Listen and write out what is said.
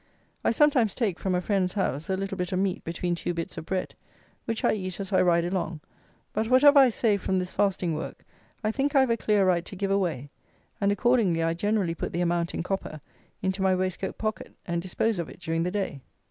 I sometimes take, from a friend's house, a little bit of meat between two bits of bread, which I eat as I ride along; but whatever I save from this fasting work, I think I have a clear right to give away; and, accordingly, I generally put the amount, in copper, into my waistcoat pocket, and dispose of it during the day.